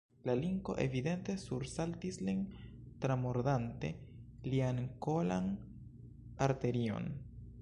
La linko evidente sursaltis lin, tramordante lian kolan arterion.